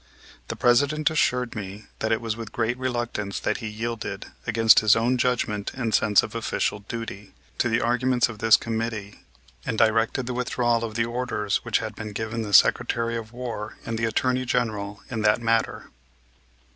The President assured me that it was with great reluctance that he yielded, against his own judgment and sense of official duty, to the arguments of this committee, and directed the withdrawal of the orders which had been given the Secretary of War and the Attorney General in that matter.